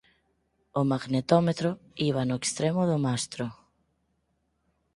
O magnetómetro iba no extremo do mastro.